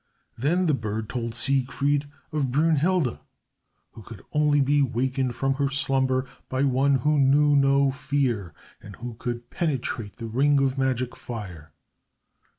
Then the bird told Siegfried of Brünnhilde, who could only be wakened from her slumber by one who knew no fear, and who could penetrate the ring of magic fire.